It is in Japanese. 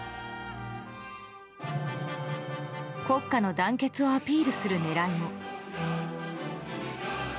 国家の団結をアピールする狙いも。